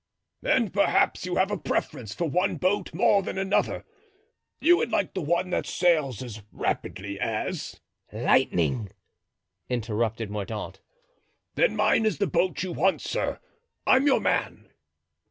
"And perhaps you have a preference for one boat more than another. You would like one that sails as rapidly as——" "Lightning," interrupted Mordaunt. "Then mine is the boat you want, sir. I'm your man."